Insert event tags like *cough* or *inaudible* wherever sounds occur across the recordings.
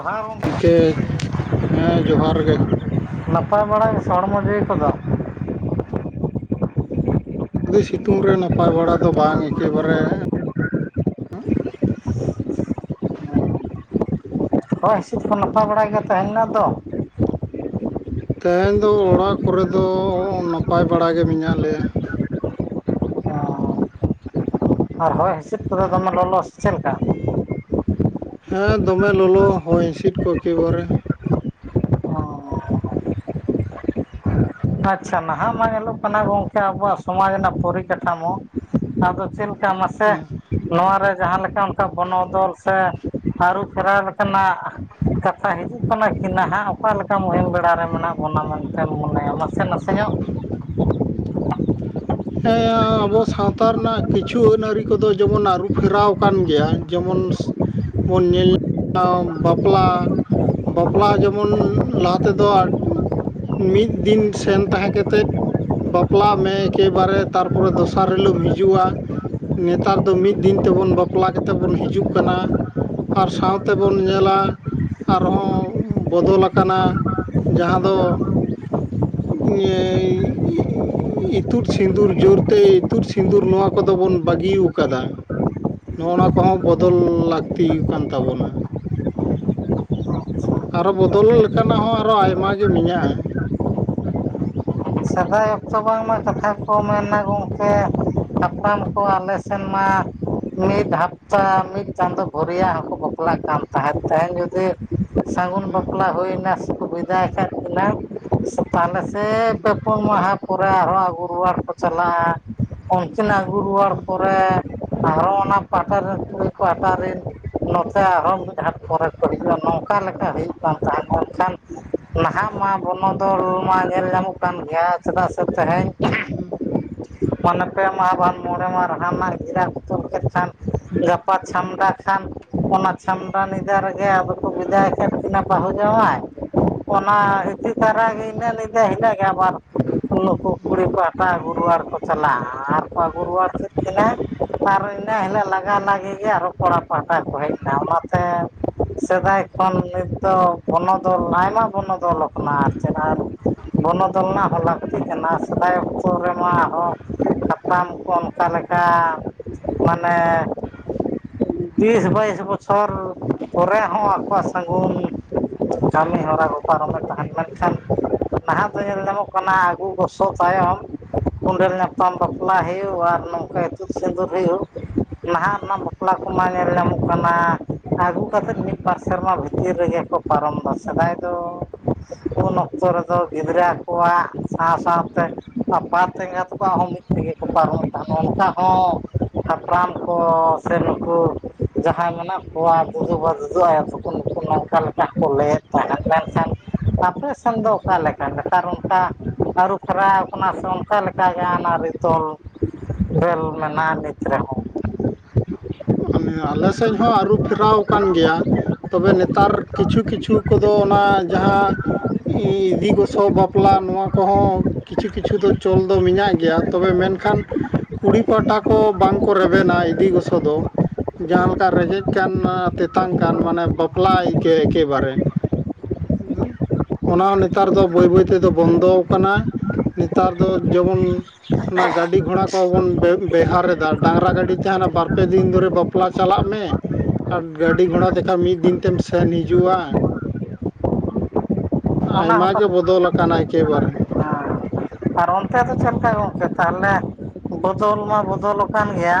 ᱡᱚᱦᱟᱨ ᱜᱚᱢ ᱤᱱᱠᱟᱹ ᱦᱮᱸ ᱡᱚᱦᱟᱨ ᱜᱮ ᱾ ᱱᱟᱯᱟᱭ ᱵᱟᱲᱟ ᱜᱮᱥᱮ ᱦᱚᱲᱢᱚ ᱡᱤᱣᱤ ᱠᱚᱫᱚ? ᱫᱤ ᱥᱤᱛᱩᱝ ᱨᱮ ᱱᱟᱯᱟᱭ ᱵᱟᱲᱟ ᱫᱚ ᱵᱟᱝ ᱮᱠᱮᱵᱟᱨᱮ ᱦᱚᱭ ᱦᱤᱸᱥᱤᱫ ᱠᱚ ᱱᱟᱯᱟᱭ ᱵᱟᱲᱟ ᱜᱮ ᱛᱟᱦᱮ ᱞᱮᱱᱟ ᱛᱚ? ᱛᱮᱦᱮᱧ ᱫᱚ ᱚᱲᱟᱜ ᱠᱚᱨᱮ ᱫᱚ ᱱᱟᱯᱟᱭ ᱵᱟᱲᱟᱜᱮ ᱢᱮᱱᱟᱜ ᱞᱮᱭᱟ ᱾ ᱟᱨ ᱦᱚᱭ ᱦᱤᱥᱤᱫ ᱠᱚᱫᱚ ᱫᱚᱢᱮ ᱞᱚᱞᱚ ᱥᱮ ᱪᱮᱫ ᱞᱮᱠᱟ? ᱦᱮᱸ ᱫᱚᱢᱮ ᱞᱚᱞᱚ ᱦᱚᱭ ᱦᱤᱥᱤᱫ ᱠᱚ ᱮᱠᱮᱵᱟᱨᱮ ᱾ ᱟᱪᱷᱟ ᱱᱟᱦᱟᱜ ᱢᱟ ᱧᱮᱞᱚᱜ ᱠᱟᱱᱟ ᱜᱚᱢᱠᱮ ᱟᱵᱚᱣᱟᱜ ᱥᱚᱢᱟᱡᱽ ᱨᱮᱱᱟᱜ ᱯᱚᱨᱤᱠᱟᱴᱷᱟᱢᱩ ᱟᱫᱚ ᱪᱮᱫ ᱞᱮᱠᱟ ᱢᱟᱥᱮ ᱱᱚᱣᱟᱨᱮ ᱡᱟᱦᱟᱸ ᱞᱮᱠᱟ ᱚᱱᱠᱟ ᱵᱚᱱᱚᱫᱚᱞ ᱥᱮ ᱟᱹᱨᱩ ᱯᱷᱮᱨᱟᱣ ᱞᱮᱠᱟᱱᱟᱜ ᱠᱟᱛᱷᱟ ᱦᱤᱡᱩᱜ ᱠᱟᱱᱟ ᱠᱤ ᱱᱟᱦᱟᱜ ᱚᱠᱟ ᱞᱮᱠᱟ ᱢᱩᱦᱤᱢ ᱵᱮᱲᱟ ᱨᱮ ᱢᱮᱱᱟᱜ ᱵᱚᱱᱟ ᱢᱮᱱ ᱛᱮᱢ ᱢᱚᱱᱮᱭᱟ ᱱᱟᱥᱮ ᱱᱟᱥᱮ ᱧᱚᱜ ᱦᱮᱸ ᱟᱵᱚ ᱥᱟᱶᱛᱟ ᱨᱮᱱᱟᱜ ᱠᱤᱪᱷᱩ ᱟᱹᱱ ᱟᱹᱨᱤ ᱠᱚᱫᱚ ᱡᱮᱢᱚᱱ ᱟᱹᱨᱩ ᱯᱷᱮᱨᱟᱣ ᱟᱠᱟᱱ ᱜᱮᱭᱟ, ᱡᱮᱢᱚᱱ ᱵᱚᱱ ᱧᱮᱞ ᱧᱟᱢᱟ ᱵᱟᱯᱞᱟ ᱵᱟᱯᱞᱟ ᱡᱮᱢᱚᱱ ᱞᱟᱦᱟ ᱛᱮᱫᱚ ᱟ ᱢᱤᱫ ᱫᱤᱱ ᱥᱮᱱ ᱛᱟᱦᱮᱸ ᱠᱟᱛᱮᱫ ᱵᱟᱯᱞᱟᱜ ᱢᱮ ᱾ ᱮᱠᱮᱵᱟᱨᱮ ᱛᱟᱨᱯᱚᱨᱮ ᱫᱚᱥᱟᱨ ᱦᱤᱞᱳᱜ ᱮᱢ ᱦᱤᱡᱩᱜᱼᱟ ᱾ ᱱᱮᱛᱟᱨ ᱫᱚ ᱢᱤᱫ ᱫᱤᱱ ᱛᱮᱵᱚᱱ ᱵᱟᱯᱞᱟ ᱠᱟᱛᱮᱫ ᱵᱚᱱ ᱦᱤᱡᱩᱜ ᱠᱟᱱᱟ ᱾ ᱟᱨ ᱥᱟᱶᱛᱮ ᱵᱚᱱ ᱧᱮᱞᱟ, ᱟᱨᱦᱚᱸ ᱵᱚᱫᱚᱞ ᱟᱠᱟᱱᱟ, ᱡᱟᱦᱟᱸ ᱫᱚ ᱱᱤᱭᱟᱹ ᱤᱭᱟᱹ ᱤᱛᱩᱫ ᱥᱤᱸᱫᱩᱨ ᱡᱳᱨᱛᱮ ᱤᱛᱩᱫ ᱥᱤᱸᱫᱩᱨ ᱱᱚᱣᱟ ᱠᱚᱫᱚ ᱵᱚᱱ ᱵᱟᱹᱜᱤᱣ ᱟᱠᱟᱫᱟ ᱾ ᱱᱚᱜᱼᱱᱟ ᱠᱚᱦᱚᱸ ᱵᱚᱫᱚᱞ ᱞᱟᱹᱠᱛᱤ ᱠᱟᱱ ᱛᱟᱵᱚᱱᱟ ᱾ ᱟᱨᱚ ᱵᱚᱫᱚᱞ ᱞᱮᱠᱟᱱᱟᱜ ᱦᱚᱸ ᱟᱨᱚ ᱟᱭᱢᱟ ᱜᱮ ᱢᱮᱧᱟᱜᱼᱟ ᱾ *inaudible* ᱥᱮᱫᱟᱭ ᱚᱠᱛᱚ ᱵᱟᱝᱢᱟ ᱠᱟᱛᱷᱟ ᱠᱚ ᱢᱮᱱᱟ ᱜᱚᱢᱠᱮ ᱦᱟᱯᱲᱟᱢ ᱠᱚ ᱟᱞᱮ ᱥᱮᱱ ᱢᱟ ᱢᱤᱫ ᱦᱟᱯᱛᱟ ᱢᱤᱫ ᱪᱟᱸᱫᱚ ᱵᱷᱚᱨᱤᱭᱟᱜ ᱦᱚᱸᱠᱚ ᱵᱟᱯᱞᱟᱜ ᱠᱟᱱ ᱛᱟᱦᱮᱸᱫ ᱛᱮᱦᱮᱸᱱ ᱡᱩᱫᱤ ᱥᱟᱹᱜᱩᱱ ᱵᱟᱯᱞᱟ ᱦᱩᱭᱱᱟ ᱥᱮᱠᱚ ᱵᱤᱫᱟᱭ ᱠᱟᱫ ᱠᱤᱱᱟᱹ ᱛᱟᱦᱞᱮ ᱥᱮ ᱯᱮ ᱯᱩᱱ ᱢᱟᱦᱟ ᱯᱚᱨᱮ ᱟᱨᱦᱚᱸ ᱟᱹᱜᱩ ᱨᱩᱣᱟᱹᱲ ᱠᱚ ᱪᱟᱞᱟᱜᱼᱟ ᱾ ᱩᱱᱠᱤᱱ ᱟᱹᱜᱩ ᱨᱩᱣᱟᱹᱲ ᱯᱚᱨᱮ ᱟᱨᱦᱚ ᱚᱱᱟ ᱯᱟᱦᱴᱟ ᱨᱮᱱ ᱠᱩᱲᱤ ᱯᱟᱴᱟ ᱨᱤᱱ ᱱᱚᱛᱮ ᱟᱨᱦᱚᱸ ᱢᱤᱫ ᱦᱟᱴ ᱯᱚᱨᱮ ᱠᱚ ᱦᱤᱡᱩᱜᱼᱟ, ᱱᱚᱝᱠᱟ ᱞᱮᱠᱟ ᱦᱩᱭᱩᱜ ᱠᱟᱱ ᱛᱟᱦᱮᱸᱫ, ᱢᱮᱱᱠᱷᱟᱱ ᱱᱟᱦᱟᱜ ᱢᱟ ᱵᱚᱱᱚᱫᱚᱞ ᱢᱟ ᱧᱮᱞ ᱧᱟᱢᱚᱜ ᱠᱟᱱ ᱜᱮᱭᱟ, ᱪᱮᱫᱟᱜ ᱥᱮ ᱛᱮᱦᱮᱧ ᱢᱟᱱᱮ ᱯᱮ ᱢᱟᱦᱟ ᱵᱟᱝ ᱢᱚᱬᱮ ᱢᱟᱦᱟ ᱞᱟᱦᱟ ᱨᱮᱱᱟᱜ ᱜᱤᱨᱟ ᱠᱚ ᱛᱚᱞ ᱠᱮᱫ ᱠᱷᱟᱱ, ᱜᱟᱯᱟ ᱪᱷᱟᱢᱰᱟ ᱠᱷᱟᱱ ᱚᱱᱟ ᱪᱷᱟᱢᱰᱟ ᱱᱤᱫᱟᱹ ᱨᱮᱜᱮ ᱟᱫᱚ ᱠᱚ ᱵᱤᱫᱟᱭ ᱠᱮᱫ ᱠᱤᱱᱟ ᱵᱟᱹᱦᱩ ᱡᱟᱶᱟᱭ ᱾ ᱚᱱᱟ ᱤᱫᱤ ᱛᱟᱨᱟ ᱤᱱᱟᱹᱜ ᱧᱤᱫᱟᱹ ᱦᱤᱞᱳᱜ ᱜᱮ ᱟᱵᱟᱨ ᱱᱩᱠᱩ ᱠᱩᱲᱤ ᱯᱟᱦᱟᱴᱟ ᱟᱹᱜᱩ ᱨᱩᱣᱟᱹᱲ ᱠᱚ ᱪᱟᱞᱟᱜᱼᱟ, ᱟᱨ ᱠᱚ ᱟᱹᱜᱩ ᱨᱩᱣᱟᱹᱲ ᱠᱮᱫ ᱠᱤᱱᱟ ᱾ ᱟᱨ ᱤᱱᱟᱹ ᱦᱤᱞᱳᱜ ᱞᱟᱜᱟ ᱞᱟᱜᱤ ᱜᱮ ᱟᱨᱚ ᱠᱚᱲᱟ ᱯᱟᱦᱴᱟ ᱠᱚ ᱦᱮᱡ ᱱᱟ, ᱚᱱᱟᱛᱮ ᱥᱮᱫᱟᱭ ᱠᱷᱚᱱ ᱱᱤᱛᱚᱜ ᱵᱚᱱᱚᱫᱚᱞ ᱟᱭᱢᱟ ᱵᱚᱱᱚᱫᱚᱞ ᱠᱟᱱᱟ ᱟᱨ ᱪᱮᱫ ᱟᱨ ᱵᱚᱱᱚᱫᱚᱞ ᱨᱮᱱᱟᱜ ᱦᱚᱸ ᱞᱟᱹᱠᱛᱤᱜ ᱠᱟᱱᱟ ᱾ ᱥᱮᱫᱟᱭ ᱚᱠᱛᱚ ᱨᱮᱢᱟ ᱦᱚᱸ ᱦᱟᱯᱲᱟᱢ ᱠᱚ ᱚᱱᱠᱟ ᱞᱮᱠᱟ ᱢᱟᱱᱮ ᱵᱤᱥ ᱵᱟᱭᱤᱥ ᱵᱚᱪᱷᱚᱨ ᱯᱚᱨᱮ ᱦᱚᱸ ᱟᱠᱚᱣᱟᱜ ᱥᱟᱹᱜᱩᱱ ᱠᱟᱹᱢᱤ ᱦᱚᱨᱟ ᱠᱚᱠᱚ ᱯᱟᱨᱚᱢᱮᱫ ᱛᱟᱦᱮᱸᱫ ᱢᱮᱱᱠᱷᱟᱱ ᱱᱟᱦᱟᱜ ᱫᱚ ᱧᱮᱞ ᱧᱟᱢᱚᱜ ᱠᱟᱱᱟ, ᱟᱹᱜᱩ ᱜᱚᱥᱚ ᱛᱟᱭᱚᱢ ᱠᱚᱸᱰᱮᱞ ᱧᱟᱯᱟᱢ ᱵᱟᱯᱞᱟ ᱦᱩᱭᱩᱜᱼᱟᱨ ᱱᱚᱝᱠᱟ ᱤᱛᱩᱫ ᱥᱤᱸᱫᱩᱨ ᱦᱳᱭᱳᱜ, ᱱᱟᱦᱟᱜ ᱨᱮᱱᱟᱜ ᱵᱟᱯᱞᱟ ᱠᱚᱢᱟ ᱧᱮᱞ ᱧᱟᱢᱚᱜ ᱠᱟᱱᱟ ᱟᱹᱜᱩ ᱠᱟᱛᱮᱫ ᱢᱤᱫᱵᱟᱨ ᱥᱮᱨᱢᱟ ᱵᱷᱤᱛᱤᱨ ᱨᱮᱜᱮ ᱠᱚ ᱯᱟᱨᱚᱢ ᱫᱟ ᱾ ᱥᱮᱫᱟᱭ ᱫᱚ ᱩᱱ ᱚᱠᱛᱚ ᱨᱮ ᱫᱚ ᱜᱤᱫᱽᱨᱟᱹ ᱠᱚᱣᱟᱜ ᱥᱟᱶ ᱥᱟᱶᱛᱮ ᱟᱯᱟᱛ ᱮᱸᱜᱟᱛ ᱠᱚᱣᱟᱜ ᱦᱚᱸ ᱢᱤᱫ ᱛᱮᱜᱮ ᱠᱚ ᱯᱟᱨᱚᱢ ᱛᱟᱦᱮᱸ, ᱚᱱᱠᱟ ᱦᱚᱸ ᱦᱟᱯᱲᱟᱢ ᱠᱚ, ᱥᱮ ᱱᱩᱠᱩ ᱡᱟᱦᱟᱸᱭ ᱢᱮᱱᱟᱜ ᱠᱚᱣᱟ ᱫᱩᱫᱩ ᱵᱟ ᱫᱩᱫᱩ ᱟᱭᱳ ᱛᱟᱠᱚ ᱱᱩᱠᱩ ᱚᱠᱟ ᱞᱮᱠᱟ ᱠᱚ ᱞᱟᱹᱭᱮᱫ ᱛᱟᱦᱮᱸ, ᱢᱮᱱᱠᱷᱟᱱ ᱟᱯᱮ ᱥᱮᱱ ᱫᱚ ᱚᱠᱟ ᱞᱮᱠᱟ ᱱᱮᱛᱟᱨ ᱚᱱᱠᱟ ᱟᱹᱨᱩ ᱯᱷᱮᱨᱟᱣ ᱠᱟᱱᱟ ᱥᱮ ᱚᱱᱠᱟ ᱞᱮᱠᱟ ᱜᱮ ᱟᱱ ᱟᱹᱨᱤ ᱛᱚᱞ ᱨᱟᱹᱞ ᱢᱮᱱᱟᱜ-ᱟ ᱱᱤᱛ ᱨᱮᱦᱚᱸ ᱾ ᱟᱸᱧ ᱟᱞᱮ ᱥᱮᱫ ᱦᱚᱸ ᱟᱹᱨᱩᱯᱷᱮᱨᱟᱣ ᱟᱠᱟᱱ ᱜᱮᱭᱟ ᱾ ᱛᱚᱵᱮ ᱱᱮᱛᱟᱨᱨ ᱠᱤᱪᱷᱩ ᱠᱤᱪᱷᱩ ᱠᱚᱫᱚ ᱚᱱᱟ ᱡᱟᱦᱟᱸ ᱤ-ᱤᱫᱤ ᱜᱚᱥᱚ ᱵᱟᱯᱞᱟ ᱱᱚᱣᱟ ᱠᱚᱦᱚᱸ ᱠᱤᱪᱷᱩ ᱠᱤᱪᱷᱩ ᱫᱚ ᱪᱚᱞ ᱫᱚ ᱢᱮᱱᱟᱜ ᱜᱮᱭᱟ ᱾ ᱛᱚᱵᱮ ᱢᱮᱱᱠᱷᱟᱱ, ᱠᱩᱲᱤ ᱯᱟᱦᱴᱟ ᱠᱚ ᱵᱟᱝ ᱠᱚ ᱨᱮᱵᱮᱱᱟ ᱤᱫᱤ ᱜᱚᱥᱚ ᱫᱚ ᱾ ᱡᱟᱦᱟᱸ ᱞᱮᱠᱟ ᱨᱮᱸᱜᱮᱡ ᱠᱟᱱ ᱛᱮᱛᱟᱝ ᱠᱟᱱ ᱢᱟᱱᱮ ᱵᱟᱯᱞᱟ ᱟᱭᱠᱮ ᱮᱠᱮᱵᱟᱨᱮ ᱾ ᱵᱷᱟᱦ-ᱵᱷᱟᱠᱹᱩᱨ *inaudible* ᱡᱮ ᱞ, ᱚᱱᱟ ᱦᱚᱸ ᱱᱮᱛᱟᱨ ᱫᱚ ᱵᱟᱹᱭ ᱵᱟᱹᱭ ᱛᱮᱫᱚ ᱵᱚᱱᱫᱚ ᱠᱟᱱᱟ ᱾ ᱱᱮᱛᱟᱨ ᱫᱚ ᱡᱚᱢᱚᱱ ᱚᱱᱟ ᱜᱟᱹᱰᱤ ᱜᱷᱚᱲᱟ ᱠᱚᱦᱚ ᱵᱚᱱ ᱵᱮ ᱵᱮᱣᱦᱟᱨ ᱮᱫᱟ ᱰᱟᱝᱨᱟ ᱜᱟᱹᱰᱤ ᱛᱮ ᱦᱟᱸᱜ ᱵᱟᱨ ᱯᱮ ᱫᱤᱱ ᱫᱷᱚᱨᱮ ᱵᱟᱯᱞᱟ ᱪᱟᱞᱟᱜ ᱢᱮ ᱟᱨ ᱜᱟᱹᱰᱤ ᱜᱷᱚᱲᱟ ᱛᱮᱠᱷᱟᱱ ᱢᱤᱫ ᱫᱤᱱ ᱛᱮᱢ ᱥᱮᱱ ᱦᱤᱡᱩ-ᱟ ᱾ ᱦᱚᱴᱚᱲ-ᱴᱷᱚᱲ ᱾ *inaudible* ᱟᱭᱢᱟ ᱜᱮ ᱵᱚᱫᱚᱞ ᱟᱠᱟᱱᱟ ᱮᱠᱮ ᱵᱟᱨᱮ ᱾ ᱟᱨ ᱚᱱᱛᱮ ᱫᱚ ᱪᱮᱫ ᱞᱮᱠᱟ ᱜᱚᱢᱠᱮ ᱛᱟᱦᱞᱮ ᱵᱚᱫᱚᱞ ᱢᱟ ᱵᱚᱫᱚᱞ ᱟᱠᱟᱱ ᱜᱮᱭᱟ?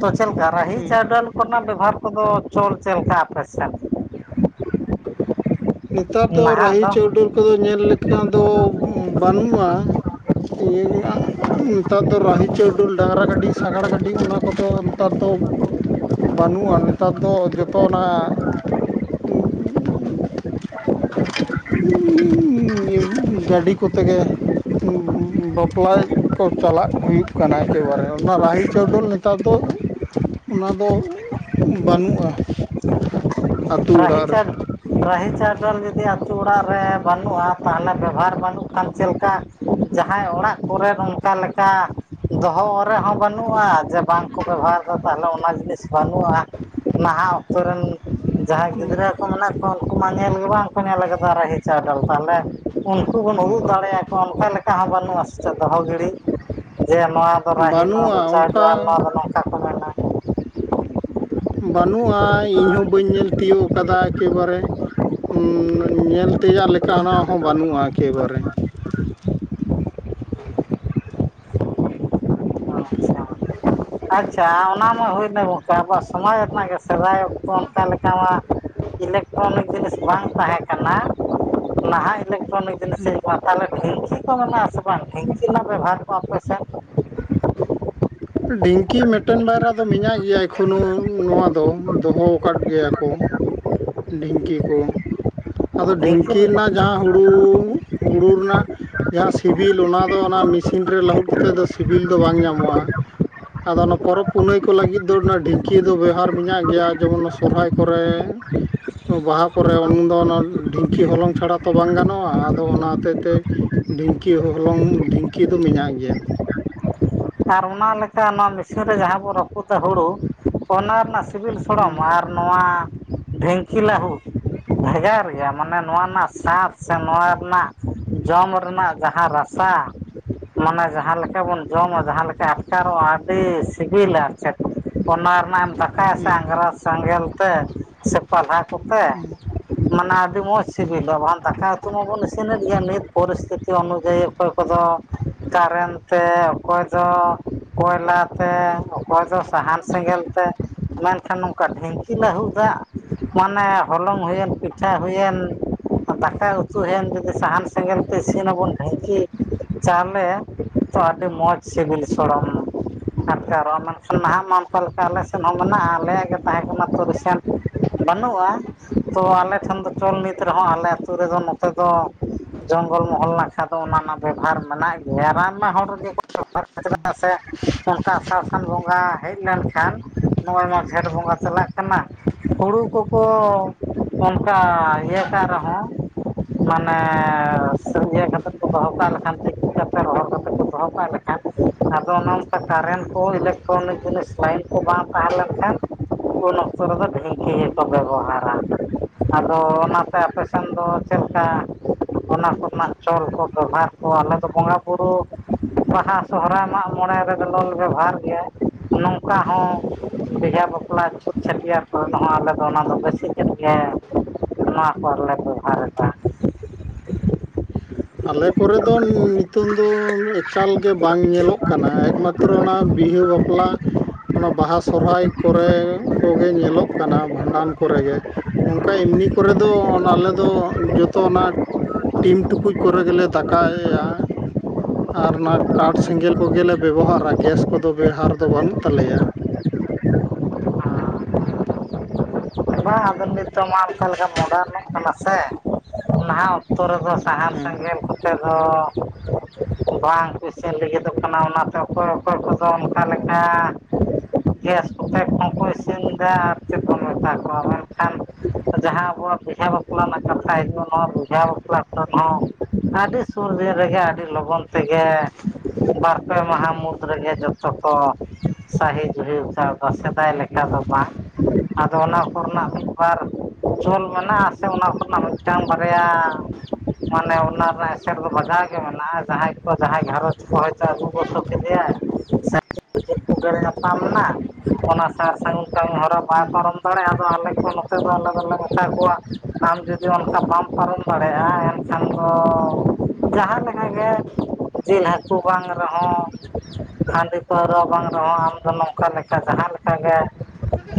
ᱛᱚ ᱪᱮᱫᱞᱮᱠᱟ ᱨᱟᱦᱤ ᱦᱮᱸ ᱪᱟᱹᱣ ᱰᱟᱹᱞ ᱠᱚ ᱨᱮᱱᱟᱜ ᱵᱮᱵᱷᱟᱨ ᱠᱚᱫᱚ ᱪᱚᱞ ᱪᱮᱫ ᱞᱮᱠᱟ ᱟᱯᱮ ᱥᱮᱱ? ᱱᱮᱛᱟᱨ ᱫᱚ ᱨᱟᱦᱤ ᱪᱟᱹᱣᱰᱟᱹᱞ ᱠᱚᱫᱚ ᱧᱮᱞ ᱞᱮᱠᱟ ᱫᱚ ᱵᱟᱹᱱᱩᱜᱼᱟ ᱾ ᱤᱭᱟᱹ ᱟᱸᱜ-ᱩᱸᱜ ᱱᱮᱛᱟᱨ ᱫᱚ ᱨᱟᱦᱤ ᱪᱟᱹᱣᱰᱟᱹᱞ ᱰᱟᱝᱨᱟ ᱜᱟᱹᱰᱤ ᱥᱟᱜᱟᱲ ᱜᱟᱹᱰᱤ ᱚᱱᱟ ᱠᱚᱫᱚ ᱱᱮᱛᱟ ᱛᱚᱵᱷ ᱵᱟᱹᱱᱩᱜᱼᱟ ᱱᱮᱛᱟᱨ ᱫᱚ ᱡᱚᱛᱚ ᱚᱱᱟ ᱩᱸ-ᱩᱸᱩᱸᱵ ᱾ ᱜᱚᱲ-ᱜᱚᱲ-ᱦᱚᱲ-ᱵᱚᱲ ᱾ ᱩᱸ-ᱩᱸᱜᱟᱹᱰᱤ ᱠᱚᱛᱮᱜᱮ ᱩᱸ-ᱩᱸ ᱵᱟ- ᱵᱟᱯᱞᱟᱭ ᱠᱚ ᱪᱟᱞᱟᱜ ᱦᱩᱭᱩᱜ ᱠᱟᱱᱟ ᱮᱠᱮ ᱵᱟᱨᱮ ᱚᱱᱟ ᱨᱟᱦᱤ ᱪᱟᱹᱣ ᱰᱟᱹᱞ ᱱᱮᱛᱟᱨ ᱫᱚ ᱚᱱᱟᱫᱚ ᱩᱸᱦ ᱵᱟᱱᱩᱜᱼᱟ ᱾ ᱨᱟᱦᱤ ᱪᱟᱰ-ᱼ ᱨᱟᱦᱤ ᱪᱟᱹᱣ ᱰᱟᱹᱞ ᱡᱩᱫᱤ ᱟᱛᱩ ᱚᱲᱟᱜ ᱨᱮ ᱵᱟᱱᱩᱜᱼᱟ ᱛᱟᱦᱞᱮ ᱵᱮᱵᱷᱟᱨ ᱵᱟᱱᱩᱜ ᱠᱷᱟᱱ ᱪᱮᱫ ᱞᱮᱠᱟ? ᱡᱟᱦᱟᱸᱭ ᱚᱲᱟᱜ ᱠᱚᱨᱮ ᱱᱚᱝᱠᱟ ᱞᱮᱠᱟ ᱫᱚᱦᱚ ᱚ ᱨᱮ ᱦᱚᱸ ᱵᱟᱱᱩᱜᱼᱟ, ᱡᱮ ᱵᱟᱝ ᱠᱚ ᱵᱮᱵᱷᱟᱨ? ᱛᱟᱦᱚᱞᱮ ᱚᱱᱟ ᱡᱤᱱᱤᱥ ᱵᱟᱱᱩᱜᱼᱟ ᱱᱟᱦᱟᱜ ᱚᱠᱛᱚ ᱨᱮᱱ ᱡᱟᱦᱟᱸᱭ ᱜᱤᱫᱽᱨᱟᱹ ᱠᱚ ᱢᱮᱱᱟᱜ ᱠᱚᱣᱟ ᱩᱱᱠᱩ ᱢᱟ ᱧᱮᱞ ᱜᱮ ᱵᱟᱝ ᱠᱚ ᱧᱮᱞ ᱟᱠᱟᱫᱟ ᱨᱟᱦᱤ ᱪᱟᱹᱣ ᱰᱟᱹᱞ ᱛᱟᱦᱞᱮ ᱩᱱᱠᱩ ᱵᱚᱱ ᱩᱫᱩᱜ ᱫᱟᱲᱮᱭᱟ ᱠᱚᱣᱟ ᱚᱱᱠᱟ ᱞᱮᱠᱟ ᱦᱚᱸ ᱵᱟᱹᱱᱩᱜᱼᱟ ᱥᱮ ᱪᱮᱫ ᱫᱚᱦᱚ ᱜᱤᱲᱤ ᱡᱮ ᱱᱚᱣᱟ ᱨᱟᱦᱤ ᱱᱚᱣᱟ ᱵᱟᱹᱱᱩᱜᱼᱟ ᱫᱚ ᱪᱟᱹᱣ ᱚᱱᱠᱟ ᱰᱟᱹᱞ ᱱᱚᱣᱟ ᱫᱚ ᱱᱚᱝᱠᱟ ᱠᱚ ᱢᱮᱱᱮᱜ ᱾ ᱵᱟᱱᱩᱜᱼᱟ ᱤᱧᱦᱚᱸ ᱵᱟᱹᱧ ᱧᱮᱞ ᱛᱤᱭᱳᱜ ᱟᱠᱟᱫᱟ ᱮᱠᱮᱵᱟᱨᱮ ᱾ ᱩᱸ-ᱱ-ᱱᱧ ᱧᱮᱞ ᱛᱮᱭᱟᱜ ᱞᱮᱠᱟ ᱱᱟᱜ ᱦᱚᱸ ᱵᱟᱱᱩᱜᱼᱟ ᱮᱠᱮᱵᱟᱨᱮ ᱾ ᱰᱷᱮ-ᱠᱚᱡ ᱾ ᱟᱪᱪᱷᱟ ᱟᱪᱪᱷᱟ ᱚᱱᱟ ᱢᱟ ᱦᱩᱭ ᱮᱱᱟ ᱜᱚᱝᱠᱮ ᱾ ᱟᱵᱚᱣᱟᱜ ᱥᱚᱢᱟᱡᱽ ᱨᱮᱱᱟᱜ ᱜᱮ ᱥᱮᱫᱟᱭ ᱚᱠᱛᱚ ᱚᱱᱠᱟ ᱞᱮᱠᱟ ᱢᱟ ᱤᱞᱮᱠᱴᱨᱚᱱᱤᱠ ᱡᱤᱱᱤᱥ ᱵᱟᱝ ᱛᱟᱦᱮᱸ ᱠᱟᱱᱟ ᱾ ᱱᱟᱦᱟᱜ ᱤᱞᱮᱠᱴᱨᱚᱱᱤᱠ *unintelligible* ᱛᱟᱦᱞᱮ ᱰᱷᱤᱝᱠᱤ ᱠᱚ ᱢᱮᱱᱟᱜ-ᱟ ᱥᱮ ᱵᱟᱝ? ᱰᱷᱤᱝᱠᱤ ᱨᱮᱱᱟᱜ ᱵᱮᱵᱷᱟᱨ ᱠᱚ ᱟᱯᱮ ᱥᱮᱱ ᱰᱷᱤᱝᱠᱤ ᱢᱤᱫ ᱴᱮᱱ ᱵᱟᱨᱭᱟ ᱫᱚ ᱢᱮᱱᱟᱜ ᱜᱮᱭᱟ ᱮᱠᱷᱚᱱᱳ, ᱱᱚᱣᱟ ᱫᱚ ᱫᱚᱦᱚ ᱟᱠᱟᱫ ᱜᱮᱭᱟ ᱠᱚ ᱾ ᱰᱷᱤᱝᱠᱤ ᱠᱚ, ᱟᱫᱚ ᱰᱷᱤᱝᱠᱤ ᱨᱮᱱᱟᱜ ᱡᱟᱦᱟ ᱦᱩᱲᱩ ᱦᱩᱲᱩ ᱨᱮᱱᱟᱜ ᱡᱟᱦᱟ ᱥᱤᱵᱤᱞ ᱚᱱᱟ ᱫᱚ ᱚᱱᱟ ᱢᱮᱥᱤᱱ ᱨᱮ ᱞᱟᱹᱦᱩᱫ ᱠᱟᱛᱮᱫ ᱫᱚ ᱥᱤᱵᱤᱞ ᱫᱚ ᱵᱟᱝ ᱧᱟᱢᱚᱜᱼᱟ ᱾ ᱟᱫᱚ ᱚᱱᱟ ᱯᱚᱨᱚᱵᱽ ᱯᱩᱱᱟᱹᱭ ᱠᱚ ᱞᱟᱹᱜᱤᱫ ᱫᱚ ᱚᱱᱟ ᱰᱷᱤᱝᱠᱤ ᱫᱚ ᱵᱮᱣᱦᱟᱨ ᱢᱮᱱᱟᱜ ᱜᱮᱭᱟ, ᱡᱮᱢᱚᱱ ᱥᱚᱦᱨᱟᱭ ᱠᱚᱨᱮ ᱾ ᱵᱟᱦᱟ ᱠᱚᱨᱮ ᱩᱱ ᱫᱚ ᱚᱱᱟ ᱰᱷᱤᱝᱠᱤ ᱦᱚᱞᱚᱝ ᱪᱷᱟᱲᱟ ᱛᱚ ᱵᱟᱝ ᱜᱟᱱᱚᱜᱼᱟ ᱾ ᱟᱫᱚ ᱚᱱᱟ ᱦᱚᱛᱮᱡ ᱛᱮ ᱰᱷᱤᱝᱠᱤ ᱦᱚ ᱦᱚᱞᱚᱝ ᱰᱷᱤᱝᱠᱤ ᱫᱚ ᱢᱮᱱᱟᱜ ᱜᱮᱭᱟ ᱾ ᱟᱨ ᱚᱱᱟ ᱞᱮᱠᱟ ᱱᱚᱣᱟ ᱢᱮᱥᱤᱱ ᱨᱮ ᱡᱟᱦᱟ ᱵᱚᱱ ᱨᱟᱹᱯᱩᱫᱟ ᱦᱩᱲᱩ, ᱚᱱᱟ ᱨᱮᱱᱟᱜ ᱥᱤᱵᱤᱞ ᱥᱚᱲᱚᱢ ᱦᱮᱸ ᱟᱨ ᱟᱨ ᱱᱚᱣᱟ ᱰᱷᱤᱝᱠᱤ ᱞᱟᱹᱦᱩᱫ ᱵᱷᱮᱜᱟᱨ ᱜᱮᱭᱟ ᱾ ᱢᱟᱱᱮ ᱱᱚᱣᱟ ᱨᱮᱱᱟᱜ ᱥᱟᱸᱥ ᱥᱮ ᱱᱚᱣᱟ ᱨᱮᱱᱟᱜ ᱡᱚᱢ ᱨᱮᱱᱟᱜ ᱡᱟᱦᱟ ᱨᱟᱥ ᱥᱟ ᱢᱟᱱᱮ ᱡᱟᱦᱟ ᱞᱮᱠᱟ ᱵᱚᱱ ᱡᱚᱢᱟ ᱡᱟᱦᱟ ᱞᱮᱠᱟ ᱟᱴᱠᱟᱨᱚᱜᱼᱟ ᱟᱹᱰᱤ ᱥᱤᱵᱤᱞᱟ *unintelligible* ᱾ ᱚᱱᱟ ᱨᱮᱱᱟᱜ ᱮᱢ ᱫᱟᱠᱟᱭᱟ ᱥᱮ ᱦᱮᱸ ᱟᱝᱨᱟ ᱥᱮᱸᱜᱮᱞ ᱛᱮ ᱥᱮ ᱯᱟᱞᱦᱟ ᱠᱚᱛᱮ, ᱢᱟᱱᱮ ᱟᱹᱰᱤ ᱢᱚᱸᱡᱽ ᱥᱤᱵᱤᱞᱚᱜᱼᱟ ᱵᱟᱝ ᱫᱟᱠᱟ ᱩᱛᱩ ᱢᱟᱵᱚᱱ ᱤᱥᱤᱱᱮᱫ ᱜᱮᱭᱟ ᱾ ᱱᱤᱛ ᱯᱚᱨᱤᱥᱛᱷᱤᱛᱤ ᱚᱱᱩᱡᱟᱭᱤ ᱚᱠᱚᱭ ᱠᱚᱫᱚ ᱠᱟᱨᱮᱱ ᱛᱮ ᱚᱠᱚᱭ ᱫᱚ ᱠᱚᱭᱞᱟ ᱛᱮ ᱚᱠᱚᱭ ᱫᱚ ᱥᱟᱦᱟᱱ ᱥᱮᱸᱜᱮᱞ ᱛᱮ ᱢᱮᱱᱠᱷᱟᱱ ᱱᱚᱝᱠᱟ ᱰᱷᱤᱝᱠᱤ ᱞᱟᱹᱦᱩᱫᱟᱜ, ᱢᱟᱱᱮ ᱦᱚᱞᱚᱝ ᱦᱩᱭᱮᱱ ᱯᱤᱴᱷᱟᱹ ᱦᱩᱭᱮᱱ ᱫᱟᱠᱟ ᱩᱛᱩ ᱦᱮᱱ ᱡᱩᱫᱤ ᱥᱟᱦᱟᱱ ᱥᱮᱸᱜᱮᱞ ᱛᱮ ᱤᱥᱤᱱ ᱟᱵᱚᱱ ᱰᱷᱤᱝᱠᱤ ᱪᱟᱣᱞᱮ ᱛᱚ ᱟᱹᱰᱤ ᱢᱚᱸᱡᱽ ᱥᱤᱵᱤᱞ ᱥᱚᱲᱚᱢ ᱟᱴᱠᱟᱨᱚᱜᱼᱟ ᱾ ᱢᱮᱱᱠᱷᱟᱱ ᱱᱟᱦᱟᱜ ᱢᱟ ᱚᱱᱠᱟ ᱞᱮᱠᱟ ᱟᱞᱮ ᱥᱮᱫ ᱦᱚᱸ ᱢᱮᱱᱟᱜᱼᱟ ᱾ ᱟᱞᱮᱭᱟᱜ ᱜᱮ ᱛᱟᱦᱮᱸ ᱠᱟᱱᱟ ᱮᱠᱢᱟᱛᱨᱚ ᱨᱤᱥᱮᱱᱴ ᱵᱟᱹᱱᱩᱜᱼᱟ ᱛᱚ ᱟᱞᱮ ᱠᱷᱟᱱ ᱫᱚ ᱪᱚᱞ ᱱᱤᱛ ᱨᱮᱦᱚᱸ ᱟᱞᱮ ᱟᱹᱛᱩ ᱨᱮᱫᱚ ᱱᱚᱛᱮ ᱫᱚ ᱡᱚᱝᱜᱚᱞ ᱢᱚᱦᱚᱞ ᱱᱟᱠᱷᱟ ᱛᱚ ᱚᱱᱟ ᱨᱮᱱᱟᱜ ᱵᱮᱵᱷᱟᱨ ᱢᱮᱱᱟᱜ ᱜᱮᱭᱟ ᱾ ᱨᱟᱱ ᱢᱟ ᱦᱚᱲ ᱨᱮᱜᱮ ᱠᱚ ᱵᱮᱵᱷᱟᱨ *unintelligible* ᱪᱮᱫᱟᱜ ᱥᱮ ᱚᱱᱠᱟ ᱟᱥᱟᱲ ᱥᱟᱱ ᱵᱚᱸᱜᱟ ᱦᱮᱡ ᱞᱮᱱᱠᱷᱟᱱ, ᱱᱚᱜᱼᱚᱭ ᱱᱚᱣᱟ ᱡᱷᱮᱸᱴ ᱵᱚᱸᱜᱟ ᱪᱟᱞᱟᱜ ᱠᱟᱱᱟ ᱦᱩᱲᱩ ᱠᱚᱠᱚ ᱚᱱᱠᱟ ᱤᱭᱟᱹ ᱠᱟᱜ ᱨᱮᱦᱚᱸ ᱢᱟᱱᱮ ᱥᱟᱹᱨᱡᱟᱹ ᱠᱟᱛᱮ ᱠᱚ ᱫᱚᱦᱚ ᱠᱟᱜ ᱞᱮᱠᱷᱟᱱ, ᱛᱤᱠᱤ ᱠᱟᱛᱮ ᱨᱚᱦᱚᱲ ᱠᱟᱛᱮ ᱠᱚ ᱫᱚᱦᱚ ᱠᱟᱜ ᱞᱮᱠᱷ ᱟᱱ ᱟᱫᱚ ᱚᱱᱮ ᱚᱱᱠᱟ ᱠᱟᱨᱮᱱᱴ ᱠᱚ, ᱤᱞᱮᱠᱴᱨᱚᱱᱤᱠ ᱡᱤᱱᱤᱥ ᱞᱟᱭᱤᱱ ᱠᱚ ᱵᱟᱝ ᱛᱟᱦᱮᱸ ᱞᱮᱱᱠᱷᱟᱱ ᱩᱱ ᱚᱠᱛᱚ ᱨᱮᱫᱚ ᱰᱷᱤᱝᱠᱤ ᱜᱮᱠᱚ ᱵᱮᱵᱚᱦᱟᱨᱟ ᱾ ᱟᱫᱚ ᱚᱱᱟᱛᱮ ᱟᱯᱮ ᱥᱮᱱ ᱫᱚ ᱪᱮᱫ ᱞᱮᱠᱟ? ᱚᱱᱟ ᱠᱚ ᱨᱮᱱᱟᱜ ᱪᱚᱞ ᱠᱚ ᱵᱮᱣᱦᱟᱨ ᱠᱚ ᱾ ᱟᱞᱮ ᱫᱚ ᱵᱚᱸᱜᱟ ᱵᱩᱨᱩ ᱵᱟᱦᱟ ᱥᱚᱦᱨᱟᱭ ᱢᱟᱜ ᱢᱚᱬᱮ ᱨᱮᱫᱚ ᱞᱮ ᱵᱮᱵᱚᱦᱟᱨ ᱜᱮᱭᱟ ᱾ ᱱᱚᱝᱠᱟ ᱦᱚᱸ ᱵᱤᱦᱟ ᱵᱟᱯᱞᱟ ᱪᱷᱟᱹᱴᱭᱟᱹᱨ *unintelligible* ᱟᱞᱮ ᱫᱚ ᱚᱱᱟ ᱫᱚ ᱵᱮᱥᱤ *unintelligible* ᱜᱮ ᱱᱚᱣᱟ ᱠᱚ ᱨᱮᱞᱮ ᱵᱮᱵᱦᱟᱨ ᱮᱫᱟ ᱾ ᱟᱞᱮ ᱠᱚᱨᱮ ᱫᱚ ᱱᱤᱛᱚᱝ ᱫᱚ ᱮᱠ ᱮᱠᱟᱞ ᱜᱮ ᱵᱟᱝ ᱧᱮᱞᱚᱜ ᱠᱟᱱᱟ ᱾ ᱮᱠᱢᱟᱛᱨᱚ ᱚᱱᱟ ᱵᱤᱦᱟᱹ ᱵᱟᱯᱞᱟ ᱚᱱᱟ ᱵᱟᱦᱟ ᱥᱚᱦᱨᱟᱭ ᱠᱚᱨᱮ ᱠᱚᱜᱮ ᱧᱮᱞᱚᱜ ᱠᱟᱱᱟ ᱵᱷᱟᱸᱰᱟᱱ ᱠᱚᱨᱮ ᱜᱮ ᱾ ᱱᱚᱝᱠᱟ ᱮᱢᱱᱤ ᱠᱚᱨᱮ ᱫᱚ ᱟᱞᱮ ᱫᱚ ᱡᱚᱛᱚ ᱚᱱᱟ *inaudible* ᱴᱤᱢ ᱴᱩᱠᱩᱡ ᱠᱚᱨᱮ ᱜᱮᱞᱮ ᱫᱟᱠᱟᱭᱟ ᱾ ᱟᱨ ᱚᱱᱟ ᱠᱟᱴᱷ ᱥᱮᱸᱜᱮᱞ ᱠᱚᱜᱮ ᱞᱮ ᱵᱮᱵᱚᱦᱟᱨᱟ ᱾ ᱜᱮᱥ ᱠᱚᱫᱚ ᱵᱮᱵᱦᱟᱨ ᱫᱚ ᱵᱟᱹᱱᱩᱜ ᱛᱟᱞᱮᱭᱟ ᱾ ᱵᱟᱝ ᱟᱫᱚ ᱱᱤᱛᱚᱜ ᱢᱟ ᱚᱱᱠᱟ ᱞᱮᱠᱟ ᱢᱚᱰᱟᱨᱱᱚᱜ ᱠᱟᱱᱟ ᱥᱮ ᱱᱟᱦᱟᱜ ᱚᱠ ᱚᱠᱛᱚ ᱨᱮᱫᱚ ᱥᱟᱦᱟᱱ ᱦᱮᱸ ᱥᱮᱸᱜᱮᱞ ᱠᱚᱛᱮ ᱫᱚ ᱵᱟᱝ ᱠᱚ ᱤᱥᱤᱱ ᱞᱟᱹᱜᱤᱫᱚᱜ ᱠᱟᱱᱟ ᱾ ᱚᱱᱟ ᱛᱮ ᱚᱠᱚᱭ ᱚᱠᱚᱭ ᱠᱚᱫᱚ ᱚᱱᱠᱟ ᱞᱮᱠᱟ ᱜᱮᱥ ᱠᱚᱛᱮ ᱠᱚᱦᱚᱸ ᱠᱚ ᱤᱥᱤᱱ ᱮᱫᱟ ᱟᱨ ᱪᱮᱫ ᱠᱚ ᱢᱮᱛᱟ ᱠᱚᱣᱟ ᱵᱟᱝᱠᱷᱟᱱ ᱡᱟᱦᱟ ᱟᱵᱚᱣᱟᱜ ᱵᱤᱦᱟᱹ ᱵᱟᱯᱞᱟ ᱨᱮᱱᱟᱜ ᱠᱟᱛᱷᱟ ᱦᱤᱡᱩᱜᱼᱟ ᱾ ᱱᱚᱣᱟ ᱵᱤᱦᱟ ᱵᱟᱯᱞᱟ ᱠᱚᱨᱮ ᱦᱚᱸ ᱟᱹᱰᱤ ᱥᱩᱨ ᱫᱤᱱ ᱨᱮᱜᱮ ᱟᱹᱰᱤ ᱞᱚᱜᱚᱱ ᱛᱮᱜᱮ ᱵᱟᱨ ᱯᱮ ᱢᱟᱦᱟ ᱢᱩᱫᱽ ᱨᱮᱜᱮ ᱡᱚᱛᱚ ᱠᱚ ᱥᱟᱹᱦᱤ ᱡᱩᱦᱤ ᱥᱟᱣᱛᱟ ᱥᱮᱫᱟᱭ ᱞᱮᱠᱟ ᱫᱚ ᱵᱟᱝ, ᱟᱫᱚ ᱚᱱᱟ ᱠᱚ ᱨᱮᱱᱟᱜ ᱦᱮᱸ ᱫᱚ ᱵᱟᱨ ᱪᱚᱞ ᱢᱮᱱᱟᱜᱼᱟ ᱥᱮ ᱚᱱᱟ ᱠᱚ ᱨᱮᱱᱟᱜ ᱢᱤᱫᱴᱟᱝ ᱵᱟᱨᱭᱟ ᱢᱟᱱᱮ ᱚᱱᱟ ᱨᱮ ᱥᱮᱴ ᱫᱚ ᱵᱟᱜᱟᱣ ᱜᱮ ᱢᱮᱱᱟᱜᱼᱟ, ᱡᱟᱦᱟᱸᱭ ᱠᱚ ᱡᱟᱦᱟᱸᱭ ᱜᱷᱟᱨᱚᱸᱡᱽ ᱠᱚ ᱦᱚᱭᱛᱳ ᱟᱹᱜᱩ ᱜᱚᱥᱚ ᱠᱮᱫᱮᱭᱟ, ᱥᱮ ᱠᱚᱸᱰᱮᱞ ᱧᱟᱯᱟᱢ ᱱᱟ ᱚᱱᱟ ᱥᱟᱨ ᱥᱟᱹᱜᱩᱱ ᱠᱟᱹᱢᱤ ᱦᱚᱨᱟ ᱵᱟᱭ ᱦᱮᱸ ᱯᱟᱨᱚᱢ ᱫᱟᱲᱮᱭᱟᱜᱼᱟ ᱛᱟᱦᱚᱞᱮ ᱠᱷᱟᱱ ᱱᱚᱛᱮ ᱫᱚ ᱟᱞᱮ ᱫᱚᱞᱮ ᱢᱮᱛᱟ ᱠᱚᱣᱟ ᱟᱢ ᱡᱩᱫᱤ ᱚᱱᱠᱟ ᱵᱟᱢ ᱯᱟᱨᱚᱢ ᱫᱟᱲᱮᱭᱟᱜᱼᱟ, ᱮᱱ ᱠᱷᱟᱱ ᱫᱚ ᱡᱟᱦᱟᱸ ᱞᱮᱠᱟᱜᱮ ᱡᱮᱞ ᱦᱟᱹᱠᱩ ᱵᱟᱝ ᱨᱮᱦᱚᱸ ᱦᱟᱺᱰᱤ ᱯᱟᱹᱣᱨᱟᱹ ᱵᱟᱝ ᱨᱮᱦᱚᱸ ᱟᱢ ᱫᱚ ᱱᱚᱝᱠᱟ ᱞᱮᱠᱟ ᱡᱟᱦᱟᱸ ᱞᱮᱠᱟᱜᱮ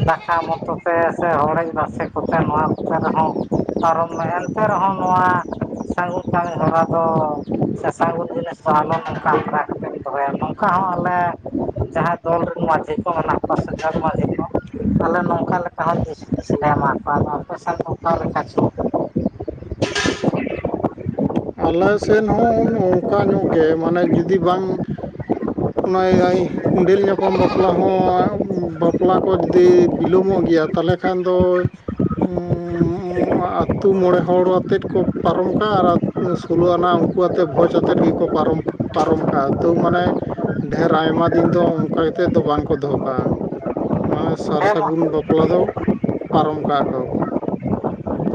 ᱫᱟᱠᱟ ᱢᱚᱛᱚ ᱥᱮ ᱦᱚᱲᱡ ᱨᱟᱥᱮ ᱠᱚᱛᱮ ᱱᱚᱣᱟ ᱠᱚᱛᱮ ᱨᱮᱦᱚᱸ ᱯᱟᱨᱚᱢ ᱢᱮ, ᱮᱱᱛᱮ ᱨᱮᱦᱚᱸ ᱱᱚᱣᱟ ᱥᱟᱹᱜᱩᱱ ᱠᱟᱹᱢᱤ ᱦᱚᱨᱟ ᱫᱚ ᱥᱮ ᱥᱟᱹᱜᱩᱱ ᱡᱤᱱᱤᱥ ᱫᱚ ᱟᱞᱚ ᱱᱚᱝᱠᱟ ᱟᱛᱨᱟ ᱠᱟᱛᱮ ᱫᱚᱦᱚᱸᱭᱟ ᱱᱚᱝᱠᱟ ᱦᱚᱸ ᱟᱞᱮ ᱡᱟᱦᱟᱸᱭ ᱫᱚᱞ ᱨᱮᱱ ᱢᱟᱺᱡᱷᱤ ᱠᱚ ᱢᱮᱱᱟᱜ ᱠᱚᱣᱟ ᱥᱮ ᱡᱚᱜᱽ ᱢᱟᱺᱡᱷᱤ ᱠᱚ ᱟᱞᱮ ᱱᱚᱝᱠᱟ ᱞᱮᱠᱟ ᱦᱚᱸ ᱦᱩᱫᱤᱥ ᱞᱮ ᱮᱢᱟ ᱠᱚᱣᱟ, ᱟᱯᱮ ᱥᱮᱱ ᱫᱚ ᱚᱠᱟ ᱞᱮᱠᱟ ᱪᱚ? ᱟᱞᱮ ᱥᱮᱱ ᱦᱚᱸ ᱚᱱᱠᱟ ᱧᱚᱜ ᱜᱮ ᱢᱟᱱᱮ ᱡᱩᱫᱤ ᱵᱟᱝ ᱚᱱᱟ ᱮᱭᱟᱭ ᱠᱚᱸᱰᱮᱞ ᱧᱟᱯᱟᱢ ᱵᱟᱯᱞᱟ ᱦᱚᱸ ᱵᱟᱯᱞᱟ ᱠᱚ ᱡᱩᱫᱤ ᱵᱤᱞᱚᱢᱚᱜ ᱜᱮᱭᱟ, ᱛᱟᱦᱚᱞᱮ ᱠᱷᱟᱱ ᱫᱚ ᱩᱸ ᱟ ᱛᱩ ᱢᱚᱬᱮ ᱦᱚᱲ ᱟᱛᱮᱫ ᱠᱚ ᱯᱟᱨᱚᱢ ᱠᱟᱜᱼᱟ, ᱟᱨ ᱥᱳᱞᱳ ᱟᱱᱟᱜ ᱩᱱᱠᱩ ᱟᱛᱮᱫ ᱵᱷᱚᱡᱽ ᱟᱛᱮᱫ ᱜᱮᱠᱚ ᱯᱟᱨᱚᱢ ᱯᱟᱨᱚᱢ ᱠᱟᱜᱼᱟ, ᱛᱟᱸᱣ ᱢᱟᱱᱮ ᱰᱷᱮᱨ ᱟᱭᱢᱟ ᱫᱤᱱ ᱫᱚ ᱚᱱᱠᱟ ᱠᱟᱛᱮᱫ ᱫᱚ ᱵᱟᱝᱠᱚ ᱫᱚᱦᱚ ᱠᱟᱜᱼᱟ, ᱢᱟᱱᱮ ᱥᱟᱨ ᱦᱮᱸ ᱢᱟ ᱥᱟᱹᱜᱩᱱ ᱵᱟᱯ ᱞᱟ ᱫᱚ ᱯᱟᱨᱚᱢ ᱠᱟᱜ-ᱟ ᱠᱚ᱾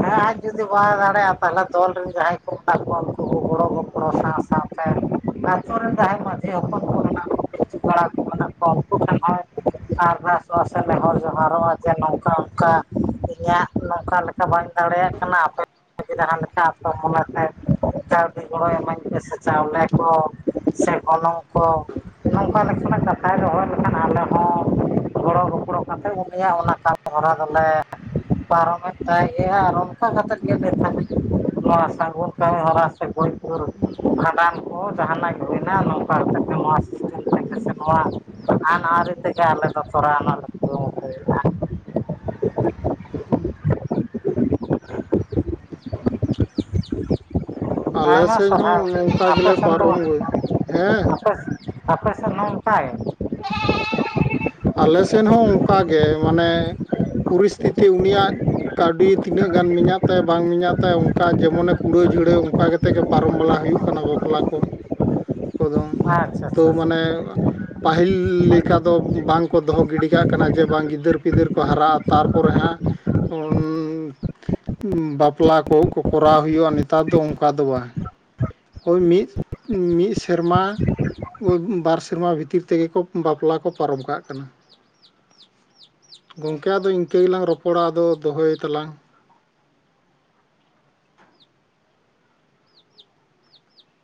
ᱦᱮᱸ ᱟᱡ ᱡᱩᱫᱤ ᱵᱟᱭ ᱫᱟᱲᱮᱭᱟᱜᱼᱟ ᱛᱟᱦᱚᱞᱮ ᱫᱚᱞᱨᱮ ᱨᱮᱱ ᱡᱟᱦᱟᱸᱭ ᱠᱚ ᱢᱮᱱᱟᱜ ᱠᱚᱣᱟ ᱩᱱᱠᱩ ᱠᱚ ᱜᱚᱲᱚ ᱜᱚᱯᱚᱲᱚ ᱥᱟᱶ ᱥᱟᱶ ᱛᱮ ᱟᱹᱛᱩ ᱨᱮᱱ ᱡᱟᱦᱟᱸ ᱢᱟᱺᱡᱷᱤ ᱦᱚᱯᱚᱱ ᱠᱚ ᱢᱮᱱᱟᱜ ᱠᱤᱪᱷᱩ ᱯᱮᱲᱟ ᱠᱚ ᱢᱮᱱᱟᱜ ᱠᱚᱣᱟ ᱩᱱᱠᱩ ᱴᱷᱮᱱ ᱦᱚᱸ ᱟᱨᱫᱟᱥᱚᱜᱼᱟ ᱥᱮ ᱱᱮᱦᱚᱨ ᱡᱚᱦᱟᱨᱚᱜᱼᱟ ᱡᱮ ᱱᱚᱝᱠᱟ ᱚᱱᱠᱟ ᱤᱧᱟᱹᱜ ᱱᱚᱝᱠᱟ ᱞᱮᱠᱟ ᱵᱟᱹᱧ ᱫᱟᱲᱮᱭᱟᱜ ᱠᱟᱱᱟ ᱟᱯᱮ ᱡᱟᱦᱟᱸ ᱞᱮᱠᱟ ᱟᱯᱮ ᱢᱚᱱᱮ ᱛᱮ ᱠᱟᱹᱣᱰᱤ ᱜᱚᱲᱚᱭ ᱮᱢᱟᱹᱧ ᱯᱮ ᱥᱮ ᱪᱟᱣᱞᱮ ᱠᱚ ᱥᱮ ᱜᱚᱱᱚᱝ ᱠᱚ ᱱᱚᱝᱠᱟ ᱞᱮᱠᱟᱱᱟᱜ ᱠᱟᱛᱷᱟ ᱫᱚᱦᱚᱸ ᱞᱮᱠᱷᱟᱱ ᱟᱞᱮ ᱦᱚᱸ ᱜᱚᱲᱚ ᱜᱚᱯᱚᱲᱚ ᱠᱟᱛᱮᱜ ᱩᱱᱤᱭᱟᱜ ᱚᱱᱟ ᱠᱟᱹᱢᱤ ᱦᱚᱨᱟ ᱫᱚᱞᱮ ᱯᱟᱨᱚᱢᱮᱫ ᱛᱟᱭ ᱜᱮᱭᱟ ᱟᱨ ᱚᱱᱠᱟ ᱠᱟᱛᱮᱫ ᱜᱮ ᱱᱤᱛ ᱦᱟᱹᱵᱤᱡ ᱱᱚᱣᱟ ᱥᱟᱹᱜᱩᱱ ᱠᱟᱹᱢᱤ ᱦᱚᱨᱟ ᱥᱮ ᱜᱚᱡᱜᱩᱨ ᱵᱷᱟᱸᱰᱟᱱ ᱠᱚ ᱡᱟᱸᱦᱟᱱᱟᱜ ᱜᱮ ᱦᱳᱭᱱᱟ ᱱᱚᱝᱠᱟ ᱠᱟᱛᱮ ᱱᱚᱣᱟ ᱛᱮᱜᱮ ᱥᱮ ᱱᱚᱣᱟ ᱟᱹᱱ ᱟᱹᱨᱤ ᱛᱮᱜᱮ ᱟᱞᱮ ᱫᱚ ᱛᱚᱲᱟ ᱱᱟᱞᱮ *inaudible* ᱟᱞᱮ ᱟᱭᱢᱟ ᱥᱮᱫ ᱥᱟᱨᱦᱟᱣ ᱦᱚᱸ ᱚᱱᱠᱟ ᱟᱯᱮ ᱜᱮᱞᱮ ᱥᱮᱱ ᱫᱚ ᱯᱟᱨᱚᱢ ᱦᱮᱸ ᱟᱯᱮ ᱟᱯᱮᱥᱮᱱ ᱦᱚ ᱚᱱᱠᱟᱜᱮ? ᱟᱞᱮᱥᱮᱱ ᱦᱚᱸ ᱚᱱᱠᱟᱜᱮ ᱢᱟᱱᱮ ᱯᱚᱨᱤᱥᱛᱷᱤᱛᱤ ᱩᱱᱤᱭᱟᱜ ᱠᱟᱹᱣᱰᱤ ᱛᱤᱱᱟᱹᱜ ᱜᱟᱱ ᱢᱮᱧᱟᱜ ᱛᱟᱭᱟ ᱵᱟᱝ ᱢᱮᱧᱟᱜ ᱛᱟᱭᱟ ᱚᱱᱠᱟ ᱡᱮᱢᱚᱱᱮ ᱠᱩᱲᱟᱹ ᱡᱷᱲᱟᱹᱣ ᱚᱱᱠᱟ ᱠᱟᱛᱮᱜ ᱜᱮ ᱯᱟᱨᱚᱢ ᱵᱟᱞᱟ ᱦᱩᱭᱩᱜ ᱠᱟᱱᱟ ᱵᱟᱯᱞᱟ ᱠᱚ᱾ *inaudible* ᱠᱚᱫᱚ ᱟᱪᱪᱷᱟ ᱛᱚ ᱟᱪᱪᱷᱟ ᱟᱪᱪᱷᱟ ᱢᱟᱱᱮ ᱯᱟᱹᱦᱤᱞ ᱞᱮᱠᱟ ᱫᱚ ᱵᱟᱝᱠᱚ ᱫᱚᱦᱚ ᱜᱤᱰᱤ ᱠᱟᱜ ᱠᱟᱱᱟ, ᱡᱮ ᱵᱟᱝ ᱜᱤᱫᱟᱹᱨ ᱯᱤᱫᱟᱹᱨ ᱠᱚ ᱦᱟᱨᱟᱜᱼᱟ ᱛᱟᱨᱯᱚᱨᱮ ᱦᱟᱸᱜ ᱵᱟᱯᱞᱟ ᱠᱚ ᱠᱚᱨᱟᱣ ᱦᱩᱭᱩᱜᱼᱟ ᱱᱮᱛᱟᱨ ᱫᱚ ᱚᱱᱠᱟ ᱫᱚ ᱵᱟᱝ᱾ ᱳᱭ ᱢᱤᱫ ᱢᱤᱫ ᱥᱮᱨᱢᱟ ᱵᱟᱨ ᱥᱮᱨᱢᱟ ᱵᱷᱤᱛᱤᱨ ᱛᱮᱜᱮ ᱠᱚ ᱵᱟᱯᱞᱟ ᱠᱚ ᱯᱟᱨᱚᱢ ᱠᱟᱜ ᱠᱟᱱᱟ᱾ ᱜᱚᱝᱠᱮ ᱟᱫᱚ ᱤᱱᱠᱟᱹ ᱜᱮᱞᱟᱝ ᱨᱚᱯᱚᱲᱟ, ᱟᱫᱚ ᱫᱚᱦᱚᱭ ᱛᱟᱞᱟᱝ